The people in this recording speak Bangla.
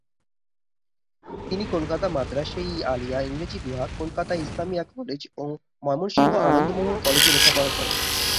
তিনি কলকাতা মাদ্রাসা-ই-আলিয়া ইংরেজি বিভাগ, কলকাতা ইসলামিয়া কলেজ ও ময়মনসিংহ আনন্দমোহন কলেজে লেখাপড়া করেন।